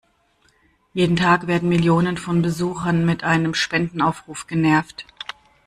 Jeden Tag werden Millionen von Besuchern mit einem Spendenaufruf genervt.